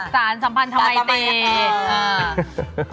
สารสัมพันธ์ธรรมไตเตศ